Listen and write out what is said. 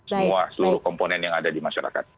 semua seluruh komponen yang ada di masyarakat